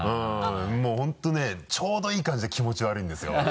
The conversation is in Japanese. もう本当ねちょうどいい感じで気持ち悪いんですよ。